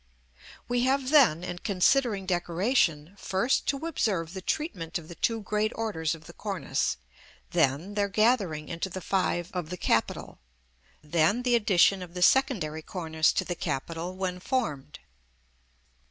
We have then, in considering decoration, first to observe the treatment of the two great orders of the cornice; then their gathering into the five of the capital; then the addition of the secondary cornice to the capital when formed.